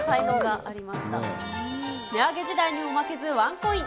値上げ時代にも負けずワンコイン。